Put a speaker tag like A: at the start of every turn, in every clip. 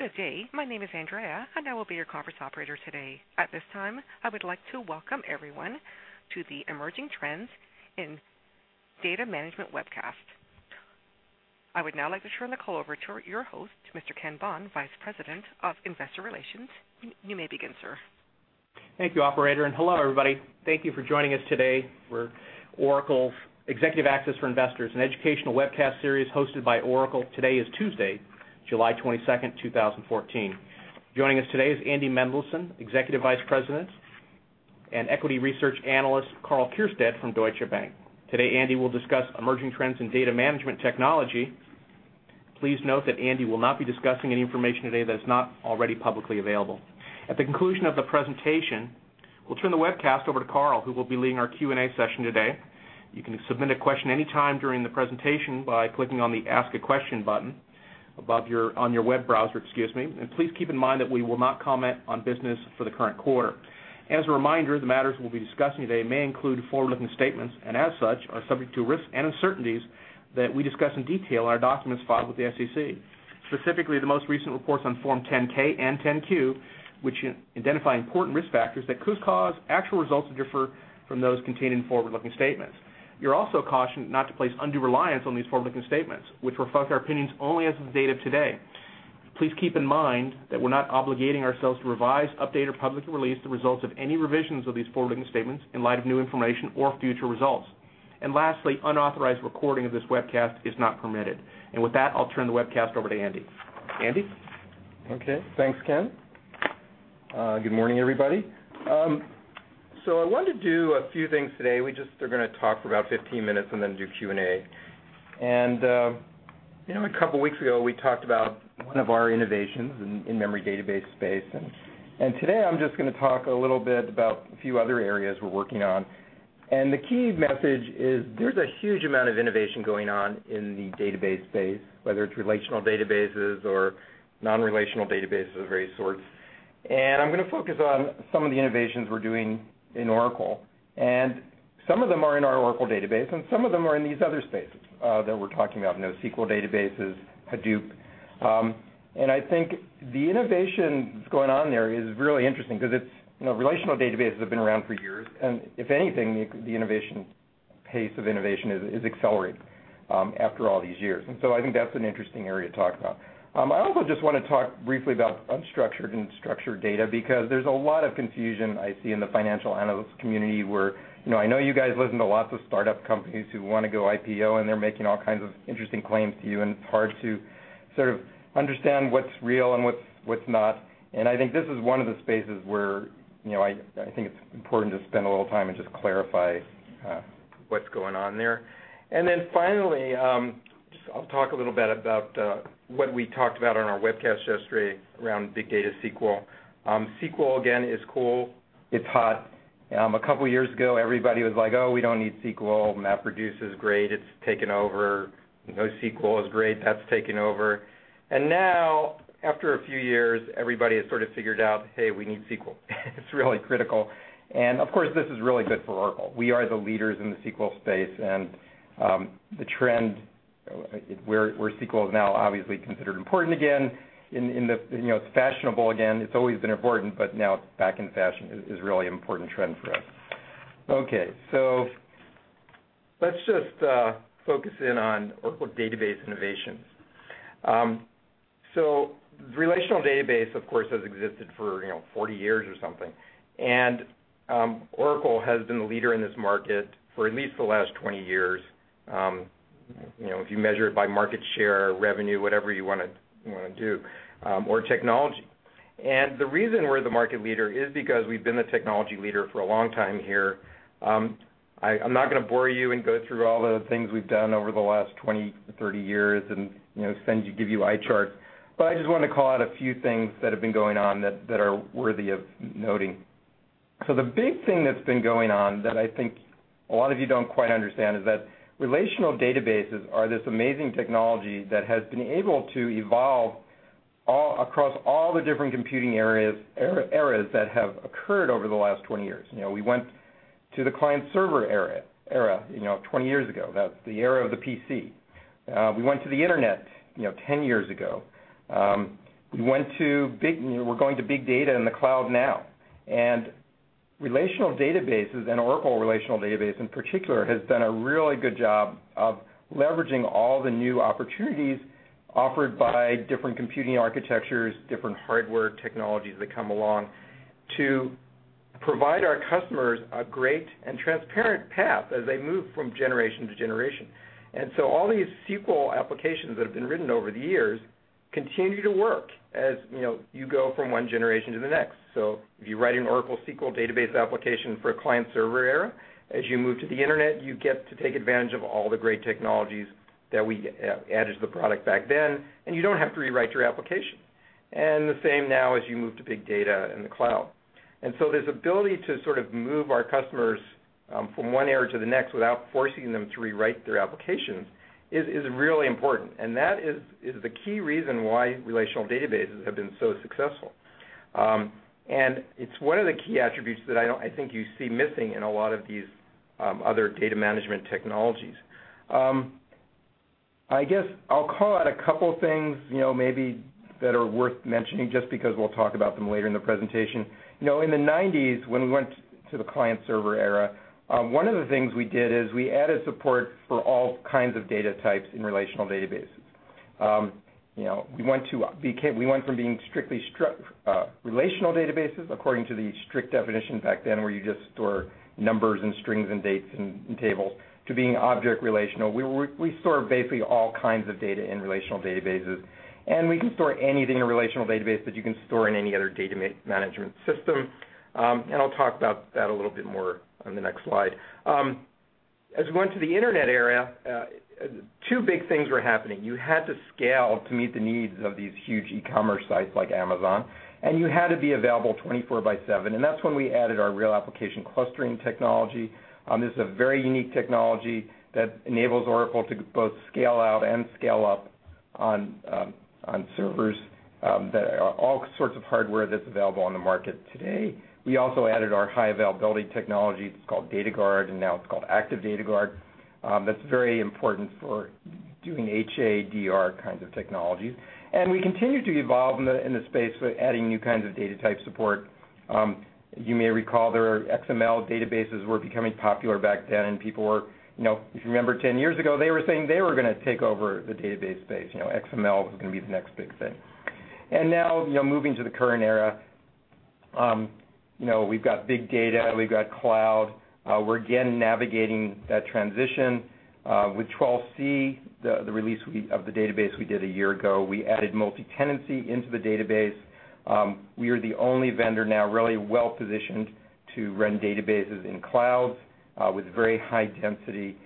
A: Good day. My name is Andrea, and I will be your conference operator today. At this time, I would like to welcome everyone to the Emerging Trends in Data Management webcast. I would now like to turn the call over to your host, Mr. Ken Bond, Vice President of Investor Relations. You may begin, sir.
B: Thank you, operator. Hello, everybody. Thank you for joining us today for Oracle's Executive Access for Investors, an educational webcast series hosted by Oracle. Today is Tuesday, July 22nd, 2014. Joining us today is Andy Mendelsohn, Executive Vice President, and Equity Research Analyst, Karl Keirstead from Deutsche Bank. Today, Andy will discuss emerging trends in data management technology. Please note that Andy will not be discussing any information today that is not already publicly available. At the conclusion of the presentation, we'll turn the webcast over to Karl, who will be leading our Q&A session today. You can submit a question any time during the presentation by clicking on the Ask a Question button on your web browser. Please keep in mind that we will not comment on business for the current quarter. As a reminder, the matters we'll be discussing today may include forward-looking statements, and as such, are subject to risks and uncertainties that we discuss in detail in our documents filed with the SEC. Specifically, the most recent reports on Form 10-K and 10-Q, which identify important risk factors that could cause actual results to differ from those contained in forward-looking statements. You're also cautioned not to place undue reliance on these forward-looking statements, which reflect our opinions only as of the date of today. Please keep in mind that we're not obligating ourselves to revise, update, or publicly release the results of any revisions of these forward-looking statements in light of new information or future results. Lastly, unauthorized recording of this webcast is not permitted. With that, I'll turn the webcast over to Andy. Andy?
C: Okay, thanks, Ken. Good morning, everybody. I wanted to do a few things today. We just are going to talk for about 15 minutes and then do Q&A. A couple of weeks ago, we talked about one of our innovations in memory database space. Today, I'm just going to talk a little bit about a few other areas we're working on. The key message is there's a huge amount of innovation going on in the database space, whether it's relational databases or non-relational databases of various sorts. I'm going to focus on some of the innovations we're doing in Oracle. Some of them are in our Oracle Database, and some of them are in these other spaces that we're talking about, NoSQL databases, Hadoop. I think the innovation that's going on there is really interesting because relational databases have been around for years, if anything, the pace of innovation is accelerating after all these years. I think that's an interesting area to talk about. I also just want to talk briefly about unstructured and structured data, because there's a lot of confusion I see in the financial analyst community where I know you guys listen to lots of startup companies who want to go IPO, and they're making all kinds of interesting claims to you, and it's hard to sort of understand what's real and what's not. I think this is one of the spaces where I think it's important to spend a little time and just clarify what's going on there. Finally, I'll talk a little bit about what we talked about on our webcast yesterday around Big Data SQL. SQL, again, is cool. It's hot. A couple of years ago, everybody was like, "Oh, we don't need SQL. MapReduce is great. It's taken over. NoSQL is great. That's taken over." Now, after a few years, everybody has sort of figured out, hey, we need SQL. It's really critical. Of course, this is really good for Oracle. We are the leaders in the SQL space, and the trend where SQL is now obviously considered important again, it's fashionable again. It's always been important, but now it's back in fashion. It's a really important trend for us. Let's just focus in on Oracle database innovations. Relational database, of course, has existed for 40 years or something. Oracle has been the leader in this market for at least the last 20 years, if you measure it by market share or revenue, whatever you want to do, or technology. The reason we're the market leader is because we've been the technology leader for a long time here. I'm not going to bore you and go through all the things we've done over the last 20 to 30 years and give you eye charts, but I just want to call out a few things that have been going on that are worthy of noting. The big thing that's been going on that I think a lot of you don't quite understand is that relational databases are this amazing technology that has been able to evolve across all the different computing eras that have occurred over the last 20 years. We went to the client server era 20 years ago. That's the era of the PC. We went to the internet 10 years ago. We're going to big data in the cloud now. Relational databases, and Oracle relational database in particular, has done a really good job of leveraging all the new opportunities offered by different computing architectures, different hardware technologies that come along to provide our customers a great and transparent path as they move from generation to generation. All these SQL applications that have been written over the years continue to work as you go from one generation to the next. If you write an Oracle SQL database application for a client-server era, as you move to the internet, you get to take advantage of all the great technologies that we added to the product back then, and you don't have to rewrite your application. The same now as you move to big data in the cloud. This ability to sort of move our customers from one era to the next without forcing them to rewrite their applications is really important, and that is the key reason why relational databases have been so successful. It's one of the key attributes that I think you see missing in a lot of these other data management technologies. I guess I'll call out a couple things maybe that are worth mentioning just because we'll talk about them later in the presentation. In the '90s, when we went to the client-server era, one of the things we did is we added support for all kinds of data types in relational databases. We went from being strictly relational databases, according to the strict definition back then, where you just store numbers and strings and dates and tables, to being object-relational. We store basically all kinds of data in relational databases, and we can store anything in a relational database that you can store in any other data management system. I'll talk about that a little bit more on the next slide. As we went to the internet era, two big things were happening. You had to scale to meet the needs of these huge e-commerce sites like Amazon, and you had to be available 24 by seven. That's when we added our Real Application Clustering technology. This is a very unique technology that enables Oracle to both scale out and scale up on servers that are all sorts of hardware that's available on the market today. We also added our high availability technology. It's called Data Guard, and now it's called Active Data Guard. That's very important for doing HADR kinds of technologies. We continue to evolve in the space with adding new kinds of data type support. You may recall XML databases were becoming popular back then, and people were, if you remember 10 years ago, they were saying they were going to take over the database space. XML was going to be the next big thing. Now, moving to the current era, we've got big data, we've got cloud. We're again navigating that transition. With 12c, the release of the database we did a year ago, we added multi-tenancy into the database. We are the only vendor now really well-positioned to run databases in clouds with very high density.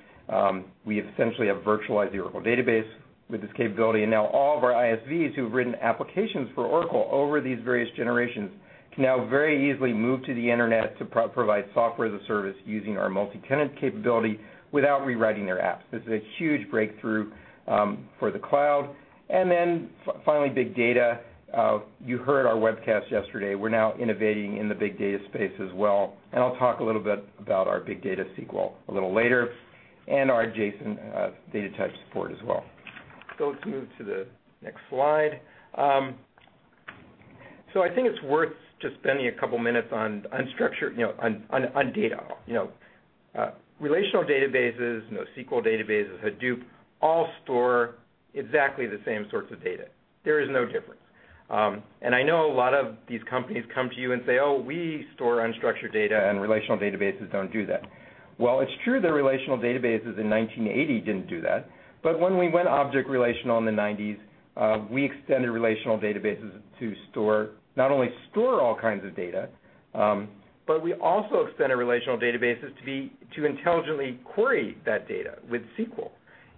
C: We essentially have virtualized the Oracle Database with this capability, and now all of our ISVs who've written applications for Oracle over these various generations can now very easily move to the internet to provide software as a service using our multi-tenant capability without rewriting their apps. This is a huge breakthrough for the cloud. Finally, big data. You heard our webcast yesterday. We're now innovating in the big data space as well, and I'll talk a little bit about our Big Data SQL a little later and our JSON data type support as well. Let's move to the next slide. I think it's worth just spending a couple minutes on data. Relational databases, NoSQL databases, Hadoop, all store exactly the same sorts of data. There is no difference. I know a lot of these companies come to you and say, "Oh, we store unstructured data, and relational databases don't do that." It's true that relational databases in 1980 didn't do that, but when we went object relational in the '90s, we extended relational databases to not only store all kinds of data, but we also extended relational databases to intelligently query that data with SQL.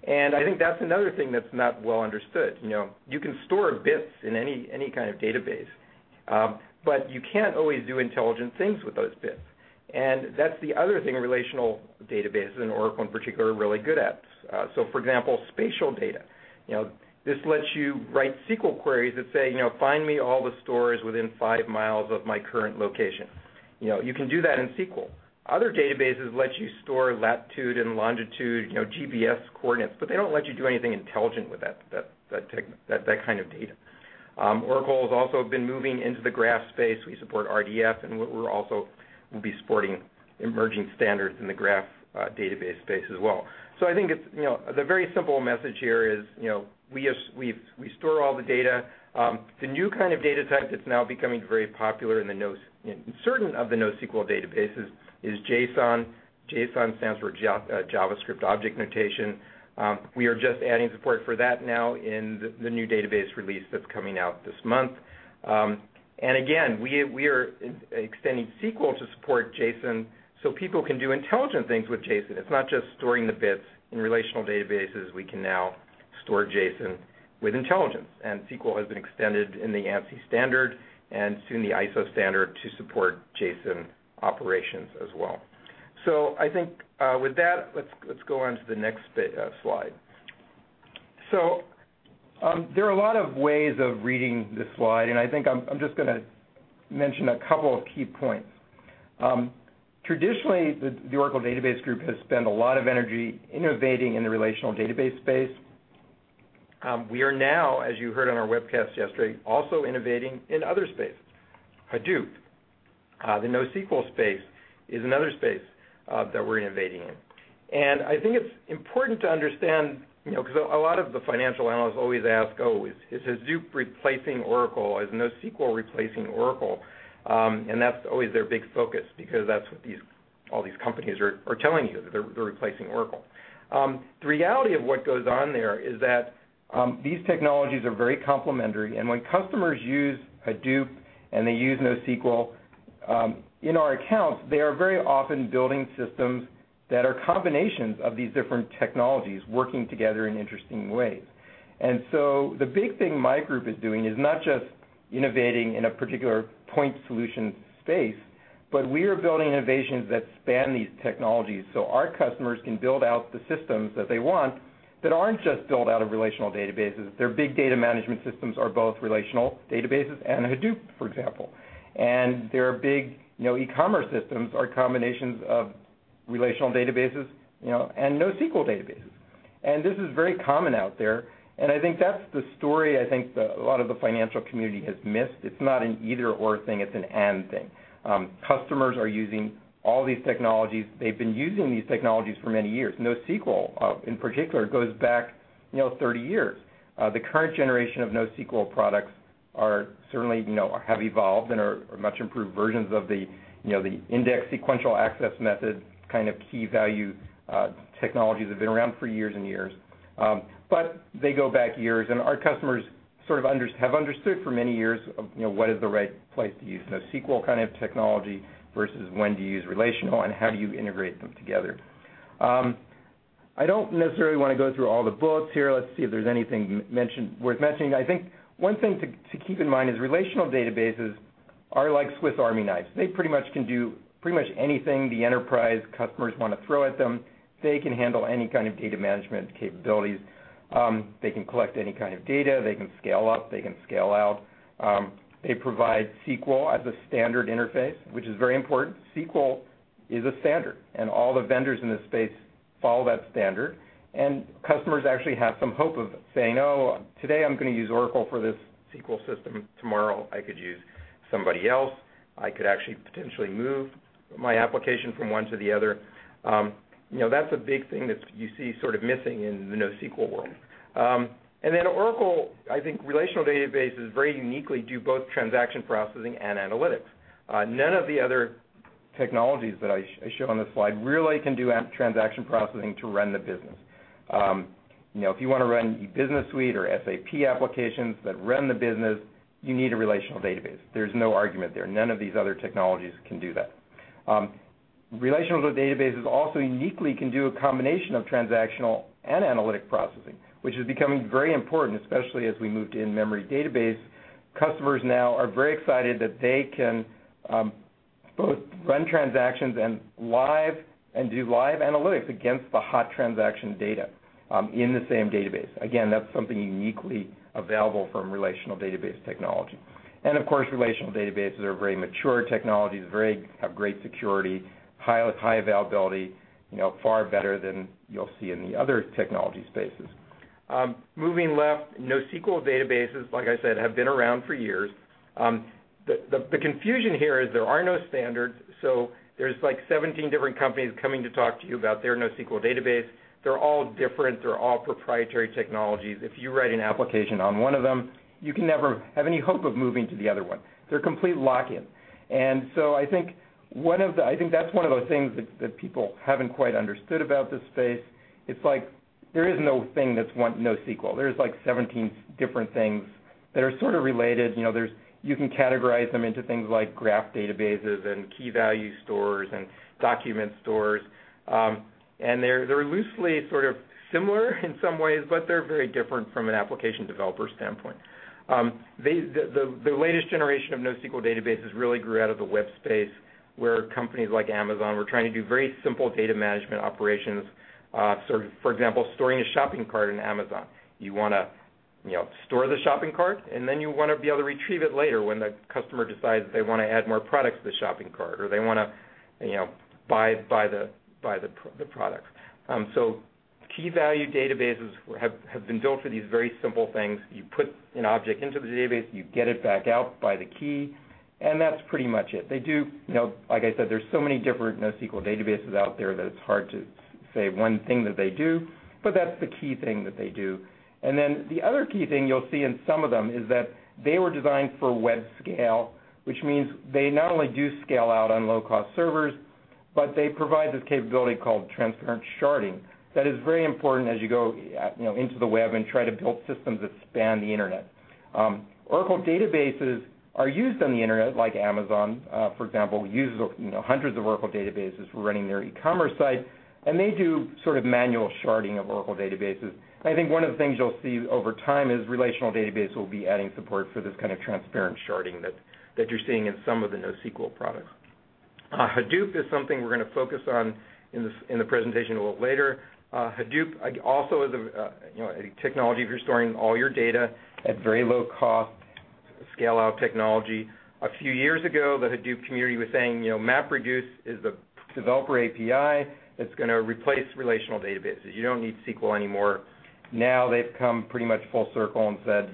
C: I think that's another thing that's not well understood. You can store bits in any kind of database, but you can't always do intelligent things with those bits. That's the other thing relational databases, and Oracle in particular, are really good at. For example, spatial data. This lets you write SQL queries that say, "Find me all the stores within five miles of my current location." You can do that in SQL. Other databases let you store latitude and longitude, GPS coordinates, but they don't let you do anything intelligent with that kind of data. Oracle has also been moving into the graph space. We support RDF, and we also will be supporting emerging standards in the graph database space as well. I think the very simple message here is we store all the data. The new kind of data type that's now becoming very popular in certain of the NoSQL databases is JSON. JSON stands for JavaScript Object Notation. We are just adding support for that now in the new database release that's coming out this month. Again, we are extending SQL to support JSON so people can do intelligent things with JSON. It's not just storing the bits. In relational databases, we can now store JSON with intelligence, and SQL has been extended in the ANSI standard and soon the ISO standard to support JSON operations as well. I think with that, let's go on to the next slide. There are a lot of ways of reading this slide, and I think I'm just going to mention a couple of key points. Traditionally, the Oracle Database group has spent a lot of energy innovating in the relational database space. We are now, as you heard on our webcast yesterday, also innovating in other spaces. Hadoop, the NoSQL space, is another space that we're innovating in. I think it's important to understand, because a lot of the financial analysts always ask, "Oh, is Hadoop replacing Oracle? Is NoSQL replacing Oracle?" That's always their big focus, because that's what all these companies are telling you, that they're replacing Oracle. The reality of what goes on there is that these technologies are very complementary, and when customers use Hadoop and they use NoSQL, in our accounts, they are very often building systems that are combinations of these different technologies working together in interesting ways. The big thing my group is doing is not just innovating in a particular point solution space. We are building innovations that span these technologies, so our customers can build out the systems that they want that aren't just built out of relational databases. Their big data management systems are both relational databases and Hadoop, for example. Their big e-commerce systems are combinations of relational databases and NoSQL databases. This is very common out there. I think that's the story I think that a lot of the financial community has missed. It's not an either/or thing, it's an and thing. Customers are using all these technologies. They've been using these technologies for many years. NoSQL, in particular, goes back 30 years. The current generation of NoSQL products certainly have evolved and are much improved versions of the index sequential access method, key value technologies that have been around for years and years. They go back years, and our customers have understood for many years, what is the right place to use NoSQL technology versus when to use relational, and how do you integrate them together. I don't necessarily want to go through all the bullets here. Let's see if there's anything worth mentioning. I think one thing to keep in mind is relational databases are like Swiss Army knives. They pretty much can do pretty much anything the enterprise customers want to throw at them. They can handle any kind of data management capabilities. They can collect any kind of data. They can scale up, they can scale out. They provide SQL as a standard interface, which is very important. SQL is a standard. All the vendors in this space follow that standard. Customers actually have some hope of saying, "Oh, today I'm going to use Oracle for this SQL system. Tomorrow I could use somebody else. I could actually potentially move my application from one to the other." That's a big thing that you see sort of missing in the NoSQL world. Oracle, I think relational databases very uniquely do both transaction processing and analytics. None of the other technologies that I show on this slide really can do transaction processing to run the business. If you want to run Business Suite or SAP applications that run the business, you need a relational database. There's no argument there. None of these other technologies can do that. Relational databases also uniquely can do a combination of transactional and analytic processing, which is becoming very important, especially as we move to in-memory database. Customers now are very excited that they can both run transactions and do live analytics against the hot transaction data in the same database. Again, that's something uniquely available from relational database technology. Of course, relational databases are very mature technologies, have great security, high availability, far better than you'll see in the other technology spaces. Moving left, NoSQL databases, like I said, have been around for years. The confusion here is there are no standards. There's 17 different companies coming to talk to you about their NoSQL database. They're all different. They're all proprietary technologies. If you write an application on one of them, you can never have any hope of moving to the other one. They're complete lock-in. I think that's one of the things that people haven't quite understood about this space. It's like there is no thing that's one NoSQL. There's 17 different things that are sort of related. You can categorize them into things like graph databases and key-value stores and document stores. They're loosely sort of similar in some ways, but they're very different from an application developer standpoint. The latest generation of NoSQL databases really grew out of the web space, where companies like Amazon were trying to do very simple data management operations. For example, storing a shopping cart in Amazon. You want to store the shopping cart, then you want to be able to retrieve it later when the customer decides they want to add more products to the shopping cart, or they want to buy the product. Key-value databases have been built for these very simple things. You put an object into the database, you get it back out by the key, and that's pretty much it. Like I said, there's so many different NoSQL databases out there that it's hard to say one thing that they do, but that's the key thing that they do. The other key thing you'll see in some of them is that they were designed for web scale, which means they not only do scale out on low-cost servers, but they provide this capability called transparent sharding. That is very important as you go into the web and try to build systems that span the internet. Oracle Databases are used on the internet, like Amazon, for example, uses hundreds of Oracle Databases for running their e-commerce site, and they do sort of manual sharding of Oracle Databases. I think one of the things you'll see over time is relational database will be adding support for this kind of transparent sharding that you're seeing in some of the NoSQL products. Hadoop is something we're going to focus on in the presentation a little later. Hadoop also is a technology for storing all your data at very low cost, scale out technology. A few years ago, the Hadoop community was saying, "MapReduce is the developer API that's going to replace relational databases. You don't need SQL anymore." Now they've come pretty much full circle and said,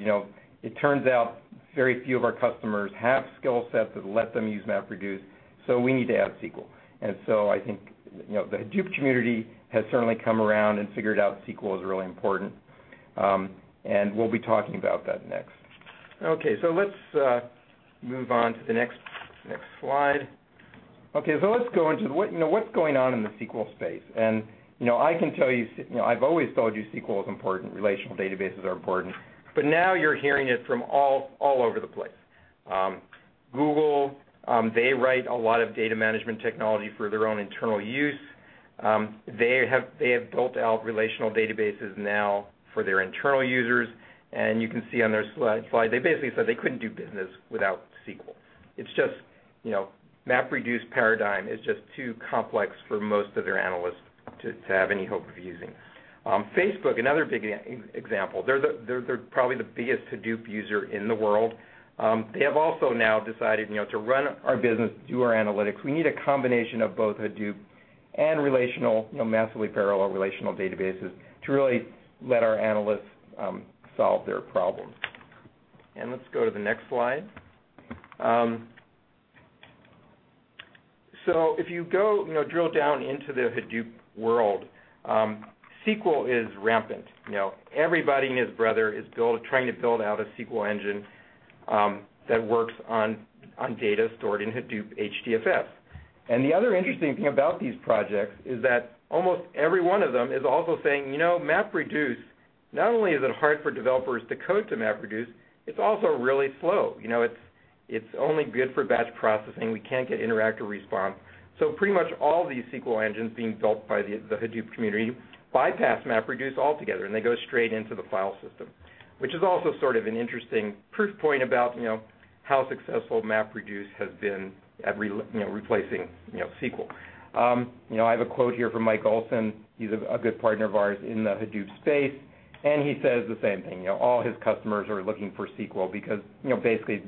C: "It turns out very few of our customers have skill sets that let them use MapReduce, we need to add SQL." I think the Hadoop community has certainly come around and figured out SQL is really important. We'll be talking about that next. Let's move on to the next slide. Let's go into what's going on in the SQL space. I've always told you SQL is important, relational databases are important, but now you're hearing it from all over the place. Google, they write a lot of data management technology for their own internal use. They have built out relational databases now for their internal users, and you can see on their slide, they basically said they couldn't do business without SQL. MapReduce paradigm is just too complex for most of their analysts to have any hope of using. Facebook, another big example. They're probably the biggest Hadoop user in the world. They have also now decided to run our business, do our analytics. We need a combination of both Hadoop and relational, massively parallel relational databases to really let our analysts solve their problems. Let's go to the next slide. If you go drill down into the Hadoop world, SQL is rampant. Everybody and his brother is trying to build out a SQL engine that works on data stored in Hadoop HDFS. The other interesting thing about these projects is that almost every one of them is also saying, MapReduce, not only is it hard for developers to code to MapReduce, it's also really slow. It's only good for batch processing. We can't get interactive response. Pretty much all these SQL engines being built by the Hadoop community bypass MapReduce altogether, and they go straight into the file system. Which is also sort of an interesting proof point about how successful MapReduce has been at replacing SQL. I have a quote here from Mike Olson. He is a good partner of ours in the Hadoop space, and he says the same thing. All his customers are looking for SQL because basically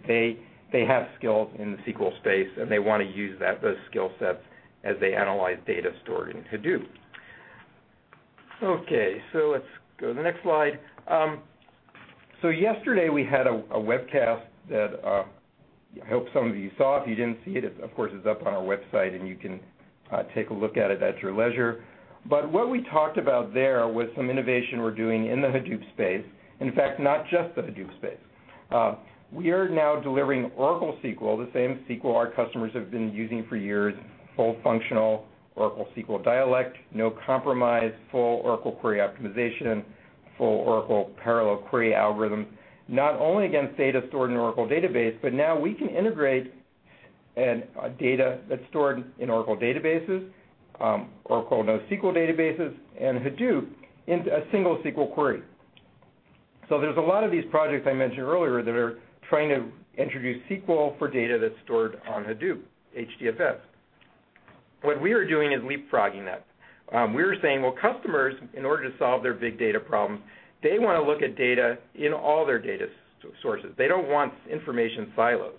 C: they have skills in the SQL space, and they want to use those skill sets as they analyze data stored in Hadoop. Let's go to the next slide. Yesterday we had a webcast that I hope some of you saw. If you did not see it, of course, it is up on our website, and you can take a look at it at your leisure. What we talked about there was some innovation we are doing in the Hadoop space. In fact, not just the Hadoop space. We are now delivering Oracle SQL, the same SQL our customers have been using for years, full functional Oracle SQL dialect, no compromise, full Oracle query optimization, full Oracle parallel query algorithm, not only against data stored in Oracle Database, but now we can integrate data that is stored in Oracle Databases, Oracle NoSQL Databases, and Hadoop into a single SQL query. There is a lot of these projects I mentioned earlier that are trying to introduce SQL for data that is stored on Hadoop, HDFS. What we are doing is leapfrogging that. We are saying, well, customers, in order to solve their big data problems, they want to look at data in all their data sources. They do not want information silos.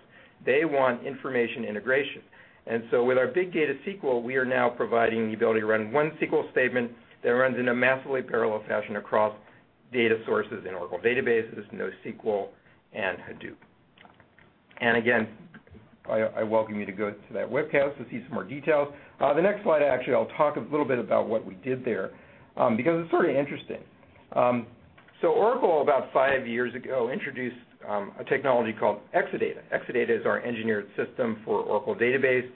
C: They want information integration. With our Oracle Big Data SQL, we are now providing the ability to run one SQL statement that runs in a massively parallel fashion across data sources in Oracle Databases, NoSQL, and Hadoop. Again, I welcome you to go to that webcast to see some more details. The next slide, actually, I will talk a little bit about what we did there, because it is very interesting. Oracle, about 5 years ago, introduced a technology called Exadata. Exadata is our engineered system for Oracle Database.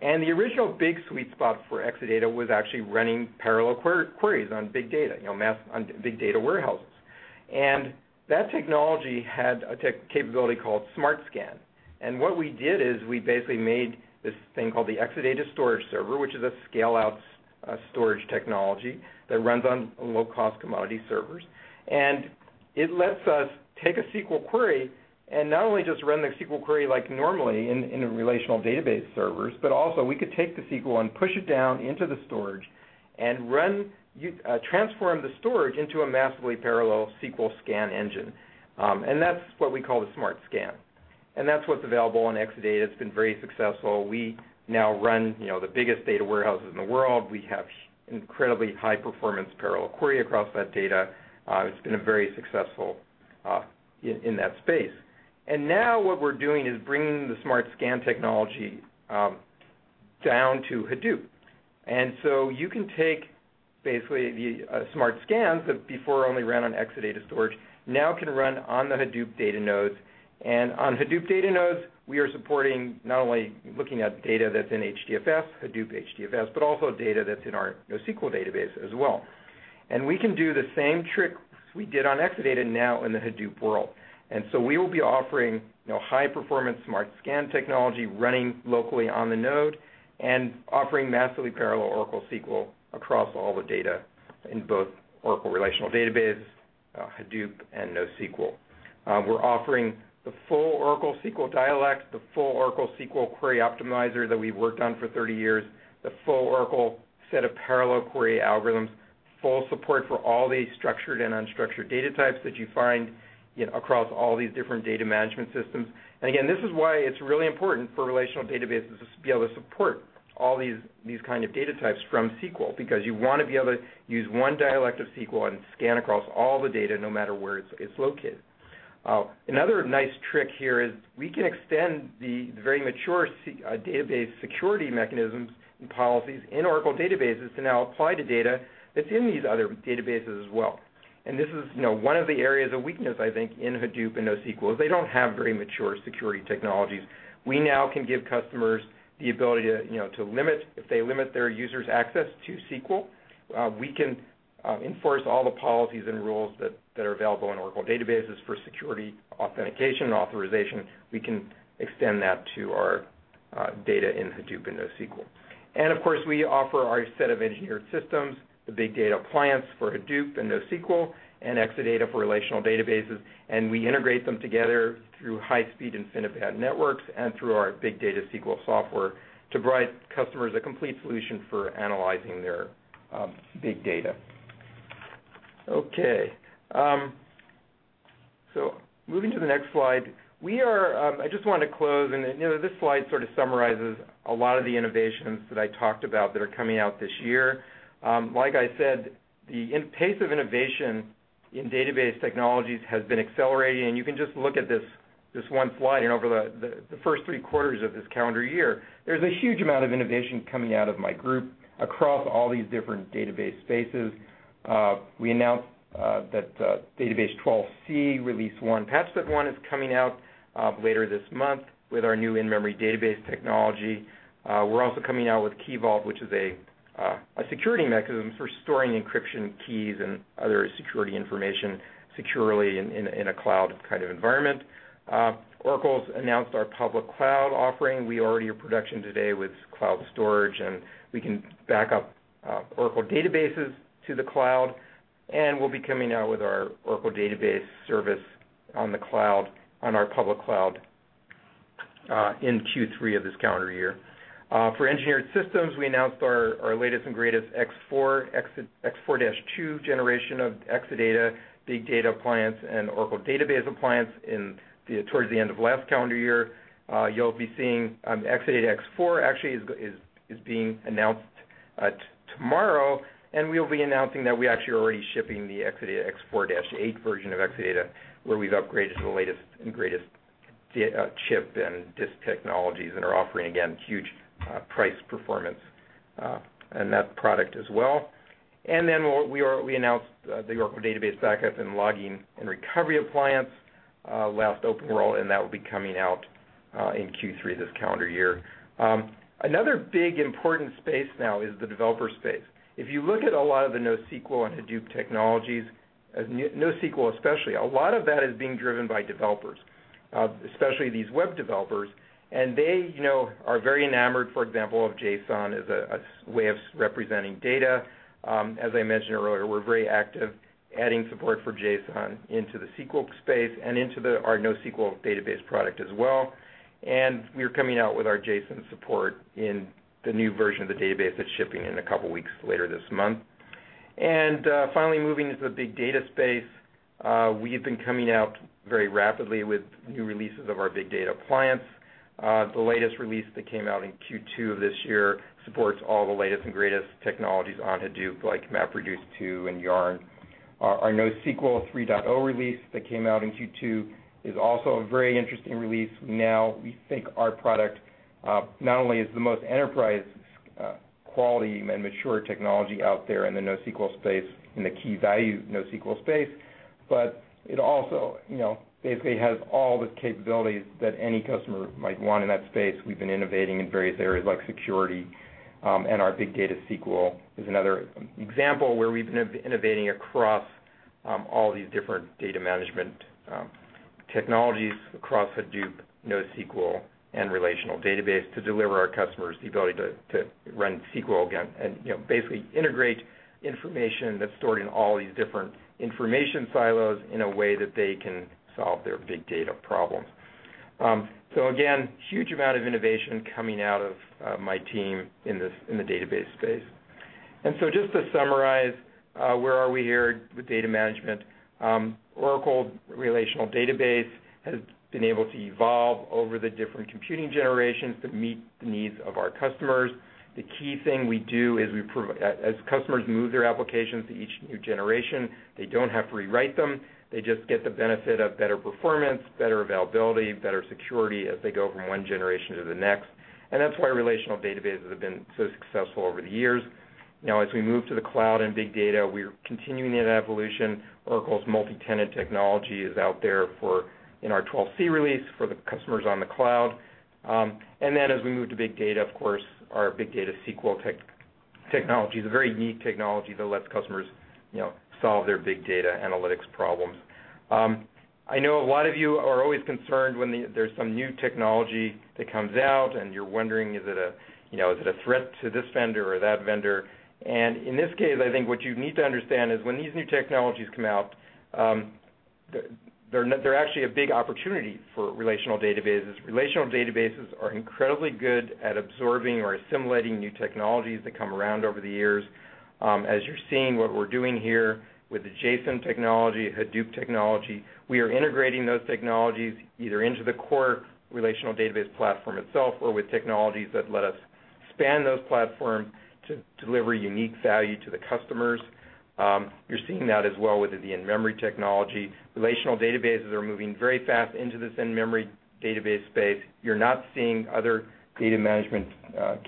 C: The original big sweet spot for Exadata was actually running parallel queries on big data, on big data warehouses. That technology had a capability called Smart Scan. What we did is we basically made this thing called the Exadata Storage Server, which is a scale-out storage technology that runs on low-cost commodity servers. It lets us take a SQL query and not only just run the SQL query like normally in relational database servers, but also we could take the SQL and push it down into the storage and transform the storage into a massively parallel SQL scan engine. That is what we call the Smart Scan. That is what is available on Exadata. It has been very successful. We now run the biggest data warehouses in the world. We have incredibly high-performance parallel query across that data. It has been very successful in that space. Now what we are doing is bringing the Smart Scan technology down to Hadoop. You can take basically the Smart Scan, so before only ran on Exadata storage, now can run on the Hadoop data nodes. On Hadoop data nodes, we are supporting not only looking at data that's in HDFS, Hadoop HDFS, but also data that's in our NoSQL Database as well. We can do the same trick we did on Exadata now in the Hadoop world. We will be offering high-performance Smart Scan technology running locally on the node and offering massively parallel Oracle SQL across all the data in both Oracle relational database, Hadoop, and NoSQL. We're offering the full Oracle SQL dialect, the full Oracle SQL query optimizer that we've worked on for 30 years, the full Oracle set of parallel query algorithms, full support for all the structured and unstructured data types that you find across all these different data management systems. Again, this is why it's really important for relational databases to be able to support all these kind of data types from SQL, because you want to be able to use one dialect of SQL and scan across all the data, no matter where it's located. Another nice trick here is we can extend the very mature database security mechanisms and policies in Oracle databases to now apply to data that's in these other databases as well. This is one of the areas of weakness, I think, in Hadoop and NoSQL, is they don't have very mature security technologies. We now can give customers the ability to limit, if they limit their users' access to SQL. We can enforce all the policies and rules that are available on Oracle databases for security authentication and authorization. We can extend that to our data in Hadoop and NoSQL. Of course, we offer our set of engineered systems, the Big Data Appliance for Hadoop and NoSQL, and Exadata for relational databases, and we integrate them together through high-speed InfiniBand networks and through our Big Data SQL software to provide customers a complete solution for analyzing their big data. Okay. Moving to the next slide. I just want to close, and this slide sort of summarizes a lot of the innovations that I talked about that are coming out this year. Like I said, the pace of innovation in database technologies has been accelerating, and you can just look at this one slide, and over the first three quarters of this calendar year, there's a huge amount of innovation coming out of my group across all these different database spaces. We announced that Database 12c Release 1 Patch Set 1 is coming out later this month with our new in-memory database technology. We're also coming out with Key Vault, which is a security mechanism for storing encryption keys and other security information securely in a cloud kind of environment. Oracle's announced our public cloud offering. We already are production today with cloud storage, and we can back up Oracle databases to the cloud, and we'll be coming out with our Oracle Database service on the cloud, on our public cloud, in Q3 of this calendar year. For engineered systems, we announced our latest and greatest X4-2 generation of Exadata, Big Data Appliance, and Oracle Database Appliance towards the end of last calendar year. You'll be seeing Exadata X4 actually is being announced tomorrow, and we'll be announcing that we actually are already shipping the Exadata X4-8 version of Exadata, where we've upgraded to the latest and greatest chip and disk technologies and are offering, again, huge price performance in that product as well. Then we announced the Oracle Database Backup Logging Recovery Appliance last OpenWorld, and that will be coming out in Q3 this calendar year. Another big important space now is the developer space. If you look at a lot of the NoSQL and Hadoop technologies, NoSQL especially, a lot of that is being driven by developers, especially these web developers. They are very enamored, for example, of JSON as a way of representing data. As I mentioned earlier, we're very active adding support for JSON into the SQL space and into our NoSQL database product as well. We are coming out with our JSON support in the new version of the database that's shipping in a couple of weeks later this month. Finally, moving into the big data space, we've been coming out very rapidly with new releases of our Big Data Appliance. The latest release that came out in Q2 of this year supports all the latest and greatest technologies on Hadoop, like MapReduce 2 and YARN. Our NoSQL 3.0 release that came out in Q2 is also a very interesting release. We think our product not only is the most enterprise quality and mature technology out there in the NoSQL space, in the key value NoSQL space, but it also basically has all the capabilities that any customer might want in that space. We've been innovating in various areas like security, and our Big Data SQL is another example where we've been innovating across all these different data management technologies, across Hadoop, NoSQL, and relational database to deliver our customers the ability to run SQL again and basically integrate information that's stored in all these different information silos in a way that they can solve their big data problems. Again, huge amount of innovation coming out of my team in the database space. Just to summarize, where are we here with data management? Oracle relational database has been able to evolve over the different computing generations to meet the needs of our customers. The key thing we do is as customers move their applications to each new generation, they don't have to rewrite them. They just get the benefit of better performance, better availability, better security as they go from one generation to the next. That's why relational databases have been so successful over the years. As we move to the cloud and big data, we're continuing that evolution. Oracle's multi-tenant technology is out there in our 12c release for the customers on the cloud. Then as we move to big data, of course, our Big Data SQL technology is a very neat technology that lets customers solve their big data analytics problems. I know a lot of you are always concerned when there's some new technology that comes out, and you're wondering, is it a threat to this vendor or that vendor? In this case, I think what you need to understand is when these new technologies come out, they're actually a big opportunity for relational databases. Relational databases are incredibly good at absorbing or assimilating new technologies that come around over the years. As you're seeing what we're doing here with the JSON technology, Hadoop technology, we are integrating those technologies either into the core relational database platform itself or with technologies that let us span those platforms to deliver unique value to the customers. You're seeing that as well with the in-memory technology. Relational databases are moving very fast into this in-memory database space. You're not seeing other data management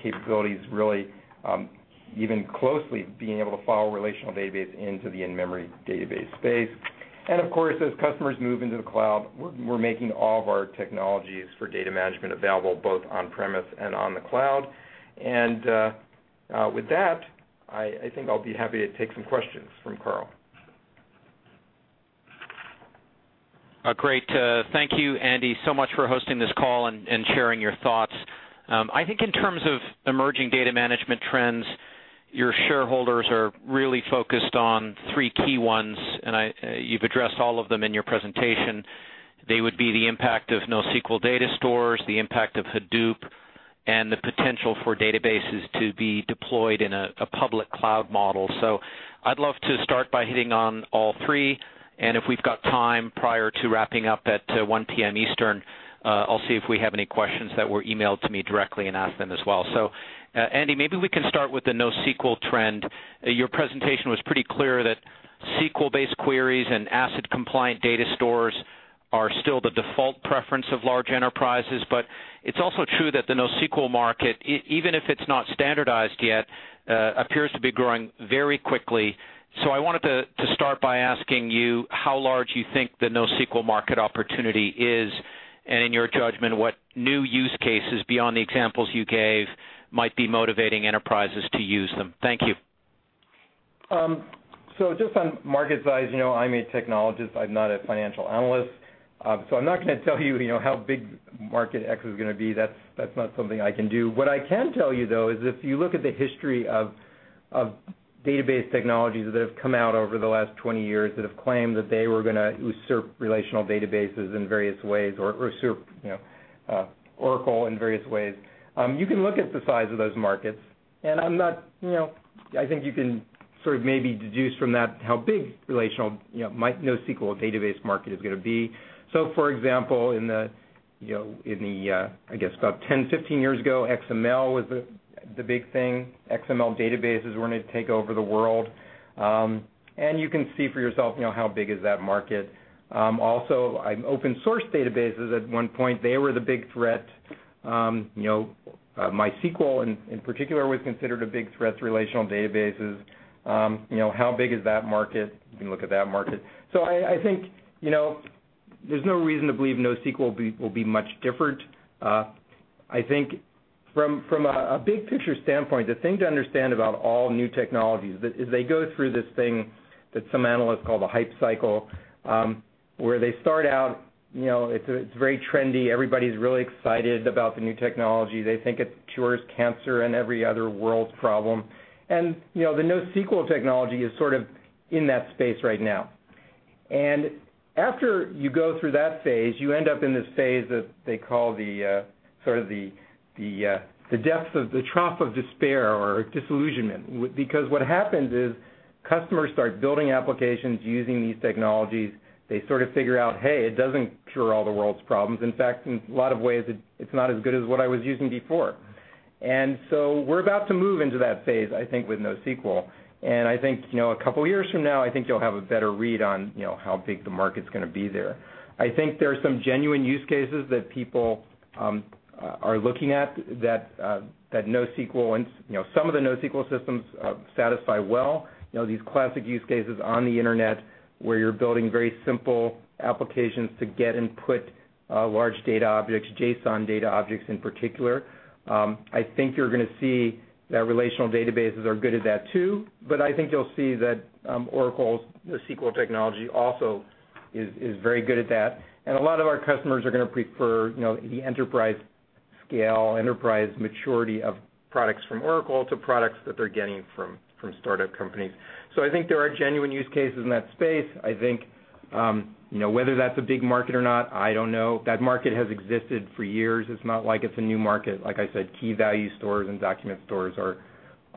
C: capabilities really even closely being able to follow relational database into the in-memory database space. Of course, as customers move into the cloud, we're making all of our technologies for data management available both on-premise and on the cloud. With that, I think I'll be happy to take some questions from Karl.
D: Great. Thank you, Andy, so much for hosting this call and sharing your thoughts. I think in terms of emerging data management trends, your shareholders are really focused on three key ones, and you've addressed all of them in your presentation. They would be the impact of NoSQL data stores, the impact of Hadoop, and the potential for databases to be deployed in a public cloud model. I'd love to start by hitting on all three, and if we've got time prior to wrapping up at 1:00 P.M. Eastern, I'll see if we have any questions that were emailed to me directly and ask them as well. Andy, maybe we can start with the NoSQL trend. Your presentation was pretty clear that SQL-based queries and ACID-compliant data stores are still the default preference of large enterprises, but it's also true that the NoSQL market, even if it's not standardized yet, appears to be growing very quickly. I wanted to start by asking you how large you think the NoSQL market opportunity is, and in your judgment, what new use cases beyond the examples you gave might be motivating enterprises to use them? Thank you.
C: Just on market size, I'm a technologist, I'm not a financial analyst. I'm not going to tell you how big market X is going to be. That's not something I can do. What I can tell you, though, is if you look at the history of database technologies that have come out over the last 20 years that have claimed that they were going to usurp relational databases in various ways or usurp Oracle in various ways, you can look at the size of those markets. I think you can maybe deduce from that how big relational NoSQL database market is going to be. For example, I guess about 10, 15 years ago, XML was the big thing. XML databases were going to take over the world. You can see for yourself how big is that market. Open source databases, at one point, they were the big threat. MySQL, in particular, was considered a big threat to relational databases. How big is that market? You can look at that market. I think there's no reason to believe NoSQL will be much different. I think from a big picture standpoint, the thing to understand about all new technologies is they go through this thing that some analysts call the hype cycle, where they start out, it's very trendy, everybody's really excited about the new technology. They think it cures cancer and every other world problem. The NoSQL technology is sort of in that space right now. After you go through that phase, you end up in this phase that they call the trough of despair or disillusionment. Because what happens is customers start building applications using these technologies. They figure out, "Hey, it doesn't cure all the world's problems. In fact, in a lot of ways, it's not as good as what I was using before." We're about to move into that phase, I think, with NoSQL. I think, a couple of years from now, I think you'll have a better read on how big the market's going to be there. I think there are some genuine use cases that people are looking at that some of the NoSQL systems satisfy well. These classic use cases on the internet, where you're building very simple applications to get input, large data objects, JSON data objects in particular. I think you're going to see that relational databases are good at that too. I think you'll see that Oracle's NoSQL technology also is very good at that. A lot of our customers are going to prefer the enterprise scale, enterprise maturity of products from Oracle to products that they're getting from startup companies. I think there are genuine use cases in that space. I think whether that's a big market or not, I don't know. That market has existed for years. It's not like it's a new market. Like I said, key value stores and document stores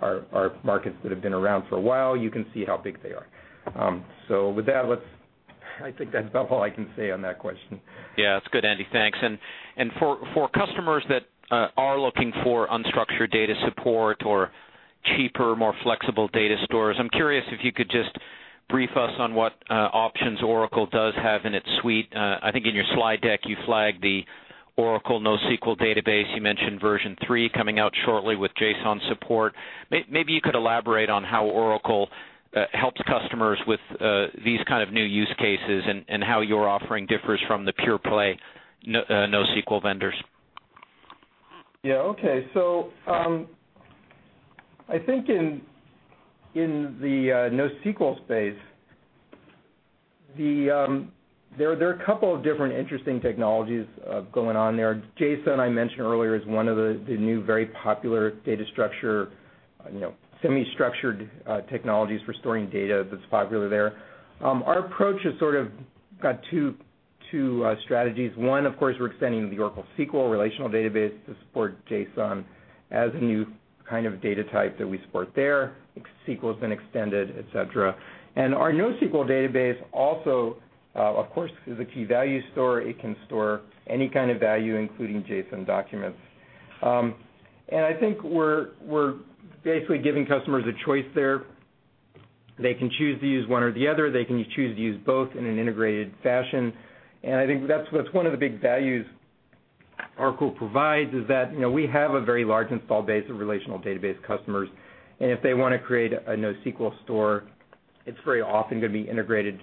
C: are markets that have been around for a while. You can see how big they are. With that, I think that's about all I can say on that question.
D: Yeah. That's good, Andy. Thanks. For customers that are looking for unstructured data support or cheaper, more flexible data stores, I'm curious if you could just brief us on what options Oracle does have in its suite. I think in your slide deck, you flagged the Oracle NoSQL Database. You mentioned version 3 coming out shortly with JSON support. Maybe you could elaborate on how Oracle helps customers with these new use cases and how your offering differs from the pure play NoSQL vendors.
C: Yeah. Okay. I think in the NoSQL space, there are a couple of different interesting technologies going on there. JSON, I mentioned earlier, is one of the new very popular data structure, semi-structured technologies for storing data that's popular there. Our approach has got two strategies. One, of course, we're extending the Oracle SQL relational database to support JSON as a new kind of data type that we support there. SQL's been extended, et cetera. Our NoSQL Database also, of course, is a key value store. It can store any kind of value, including JSON documents. I think we're basically giving customers a choice there. They can choose to use one or the other. They can choose to use both in an integrated fashion. I think that's one of the big values Oracle provides is that we have a very large installed base of relational database customers, and if they want to create a NoSQL store, it's very often going to be integrated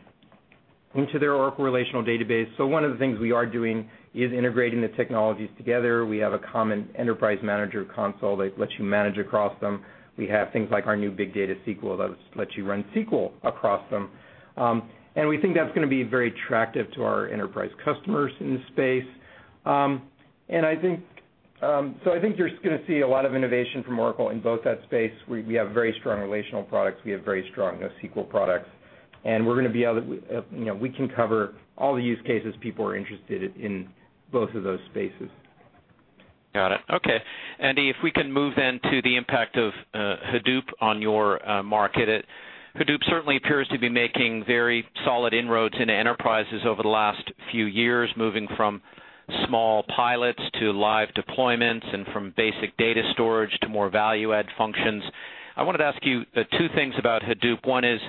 C: into their Oracle relational database. One of the things we are doing is integrating the technologies together. We have a common enterprise manager console that lets you manage across them. We have things like our new Oracle Big Data SQL that lets you run SQL across them. We think that's going to be very attractive to our enterprise customers in this space. I think you're going to see a lot of innovation from Oracle in both that space, where we have very strong relational products, we have very strong NoSQL products, and we can cover all the use cases people are interested in both of those spaces.
D: Got it. Okay. Andy, if we can move then to the impact of Hadoop on your market. Hadoop certainly appears to be making very solid inroads into enterprises over the last few years, moving from small pilots to live deployments and from basic data storage to more value-add functions. I wanted to ask you two things about Hadoop. One is,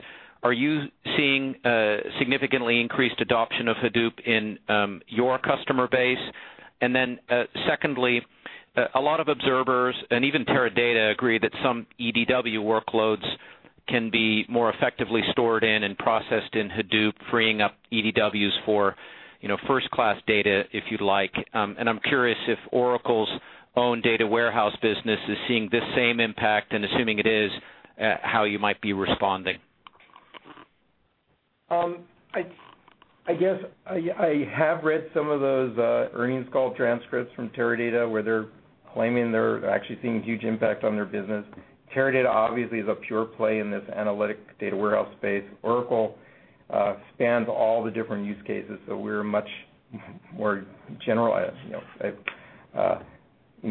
D: are you seeing significantly increased adoption of Hadoop in your customer base? Secondly, a lot of observers, and even Teradata, agree that some EDW workloads can be more effectively stored in and processed in Hadoop, freeing up EDWs for first-class data, if you'd like. I'm curious if Oracle's own data warehouse business is seeing this same impact, and assuming it is, how you might be responding.
C: I guess I have read some of those earnings call transcripts from Teradata, where they're claiming they're actually seeing huge impact on their business. Teradata obviously is a pure play in this analytic data warehouse space. Oracle spans all the different use cases, we're much more general.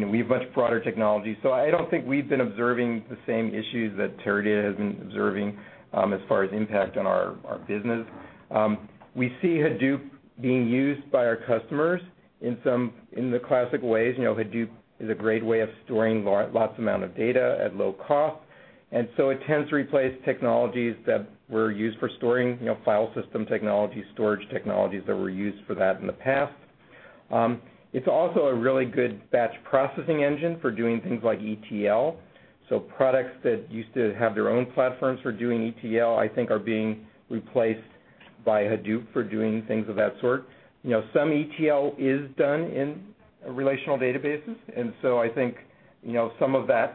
C: We have much broader technology. I don't think we've been observing the same issues that Teradata has been observing, as far as impact on our business. We see Hadoop being used by our customers in the classic ways. Hadoop is a great way of storing lots amount of data at low cost, and so it tends to replace technologies that were used for storing file system technology, storage technologies that were used for that in the past. It's also a really good batch processing engine for doing things like ETL. Products that used to have their own platforms for doing ETL, I think are being replaced by Hadoop for doing things of that sort. Some ETL is done in relational databases, I think some of that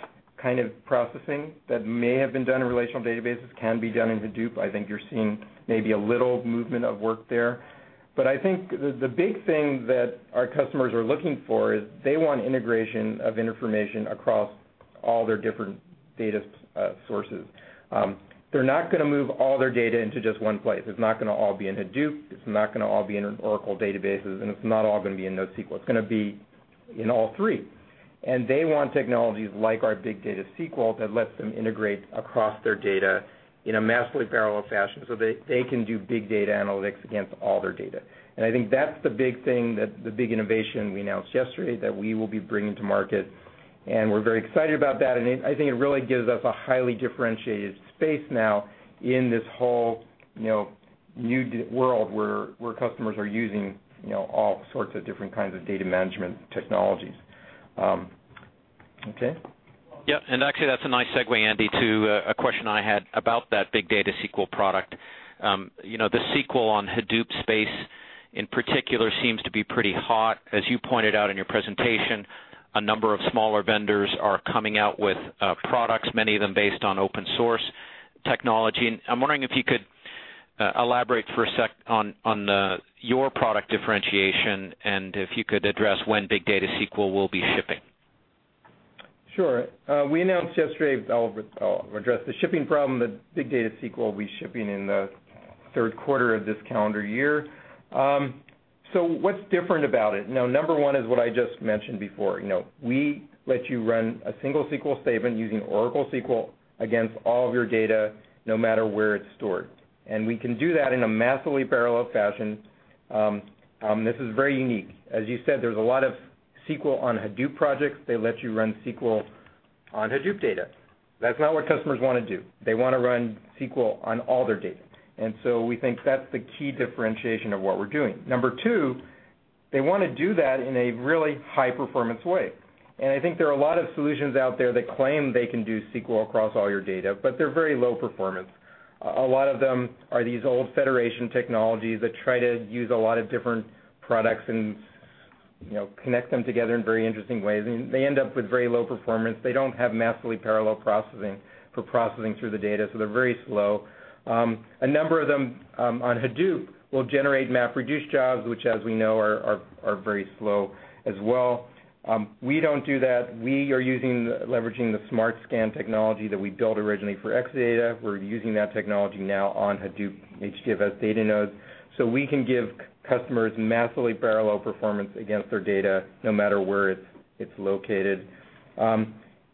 C: processing that may have been done in relational databases can be done in Hadoop. I think you're seeing maybe a little movement of work there. I think the big thing that our customers are looking for is they want integration of information across all their different data sources. They're not going to move all their data into just one place. It's not going to all be in Hadoop, it's not going to all be in Oracle Databases, and it's not all going to be in NoSQL. It's going to be in all three. They want technologies like our Oracle Big Data SQL that lets them integrate across their data in a massively parallel fashion so they can do big data analytics against all their data. I think that's the big thing, the big innovation we announced yesterday that we will be bringing to market, and we're very excited about that, I think it really gives us a highly differentiated space now in this whole new world where customers are using all sorts of different kinds of data management technologies. Okay?
D: Yeah. Actually that's a nice segue, Andy, to a question I had about that Oracle Big Data SQL product. The SQL on Hadoop space, in particular, seems to be pretty hot. As you pointed out in your presentation, a number of smaller vendors are coming out with products, many of them based on open source technology. I'm wondering if you could elaborate for a sec on your product differentiation, and if you could address when Oracle Big Data SQL will be shipping.
C: Sure. We announced yesterday, I'll address the shipping problem, that Oracle Big Data SQL will be shipping in the third quarter of this calendar year. What's different about it? Number one is what I just mentioned before. We let you run a single SQL statement using Oracle SQL against all of your data, no matter where it's stored. We can do that in a massively parallel fashion. This is very unique. As you said, there's a lot of SQL on Hadoop projects. They let you run SQL on Hadoop data. That's not what customers want to do. They want to run SQL on all their data. We think that's the key differentiation of what we're doing. Number two, they want to do that in a really high-performance way. I think there are a lot of solutions out there that claim they can do SQL across all your data, but they're very low performance. A lot of them are these old federation technologies that try to use a lot of different products and connect them together in very interesting ways, and they end up with very low performance. They don't have massively parallel processing for processing through the data, so they're very slow. A number of them on Hadoop will generate MapReduce jobs, which as we know, are very slow as well. We don't do that. We are leveraging the Smart Scan technology that we built originally for Exadata. We're using that technology now on Hadoop HDFS data nodes. We can give customers massively parallel performance against their data, no matter where it's located.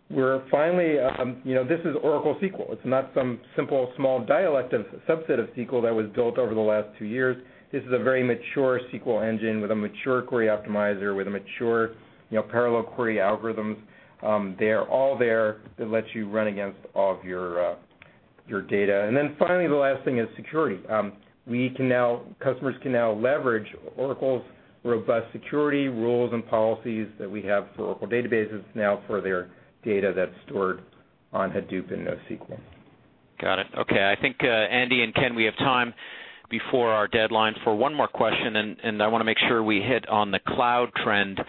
C: This is Oracle SQL. It's not some simple, small dialect of subset of SQL that was built over the last two years. This is a very mature SQL engine with a mature query optimizer, with mature parallel query algorithms. They're all there that lets you run against all of your data. Finally, the last thing is security. Customers can now leverage Oracle's robust security rules and policies that we have for Oracle Database now for their data that's stored on Hadoop and NoSQL.
D: Got it. Okay. I think, Andy and Ken, we have time before our deadline for one more question, and I want to make sure we hit on the cloud trend.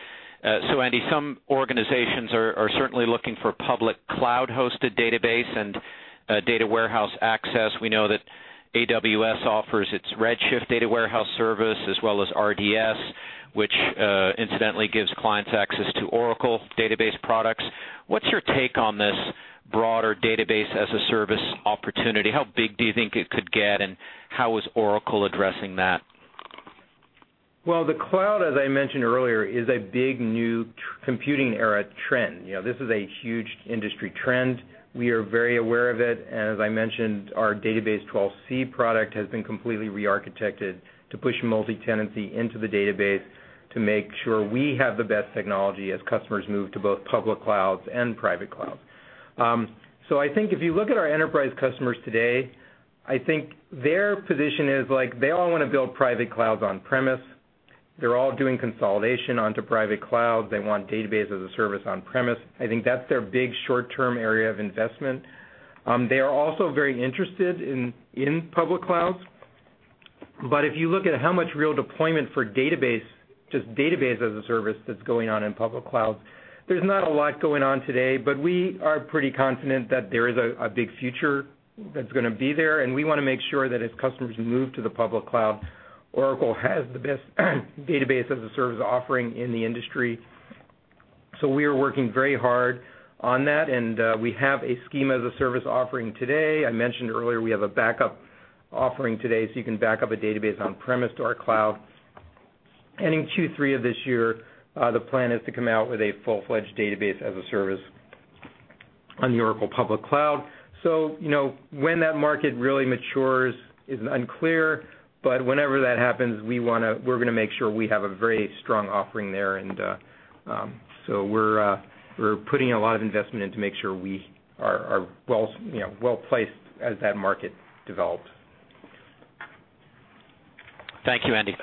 D: Andy, some organizations are certainly looking for public cloud-hosted database and data warehouse access. We know that AWS offers its Amazon Redshift data warehouse service as well as Amazon RDS, which incidentally gives clients access to Oracle Database products. What's your take on this broader database-as-a-service opportunity? How big do you think it could get, and how is Oracle addressing that?
C: Well, the cloud, as I mentioned earlier, is a big new computing era trend. This is a huge industry trend. We are very aware of it, and as I mentioned, our Oracle Database 12c product has been completely re-architected to push multi-tenancy into the database to make sure we have the best technology as customers move to both public clouds and private clouds. I think if you look at our enterprise customers today, I think their position is they all want to build private clouds on-premise. They're all doing consolidation onto private clouds. They want database-as-a-service on-premise. I think that's their big short-term area of investment. They are also very interested in public clouds. If you look at how much real deployment for just database-as-a-service that's going on in public clouds, there's not a lot going on today, but we are pretty confident that there is a big future that's going to be there, and we want to make sure that as customers move to the public cloud, Oracle has the best database-as-a-service offering in the industry. We are working very hard on that, and we have a schema-as-a-service offering today. I mentioned earlier, we have a backup offering today, so you can back up a database on-premise to our cloud. In Q3 of this year, the plan is to come out with a full-fledged database-as-a-service on the Oracle public cloud. When that market really matures is unclear, but whenever that happens, we're going to make sure we have a very strong offering there. We're putting a lot of investment in to make sure we are well-placed as that market develops.
D: Thank you, Andy.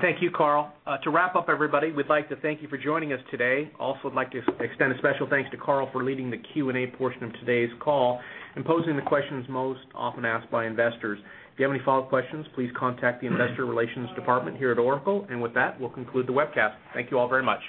B: Thank you, Karl. To wrap up everybody, we'd like to thank you for joining us today. Also would like to extend a special thanks to Karl for leading the Q&A portion of today's call and posing the questions most often asked by investors. If you have any follow-up questions, please contact the investor relations department here at Oracle. With that, we'll conclude the webcast. Thank you all very much.